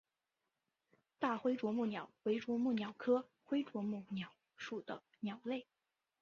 大灰啄木鸟为啄木鸟科灰啄木鸟属的鸟类。